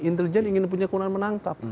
intelijen ingin punya kewenangan menangkap